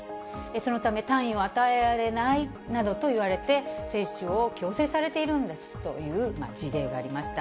そのため単位を与えられないなどと言われて、接種を強制されているんですという事例がありました。